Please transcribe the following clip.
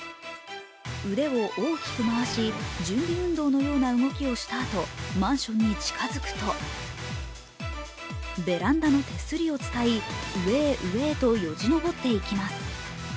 腕を大きく回し準備運動のような動きをしたあとマンションに近づくとベランダの手すりをつたい、上へ上へとよじ登っていきます。